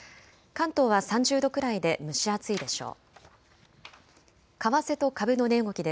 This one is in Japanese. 関東は３０度くらいで蒸し暑いでしょう。